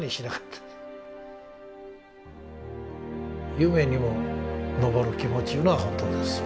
夢にも昇る気持ちいうのは本当ですわ。